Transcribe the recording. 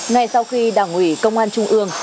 ngay sau khi đảng ủy công an trung ương